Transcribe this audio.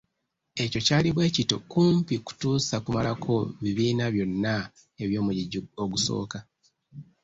Ekyo kyali bwe kityo kumpi kutuusa kumalako bibiina byonna eby’omugigi ogusooka.